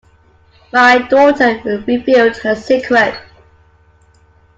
My daughter revealed her secret.